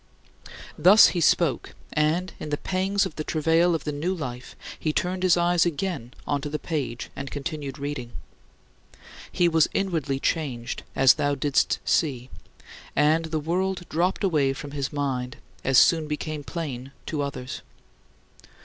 Thus he spoke, and in the pangs of the travail of the new life he turned his eyes again onto the page and continued reading; he was inwardly changed, as thou didst see, and the world dropped away from his mind, as soon became plain to others.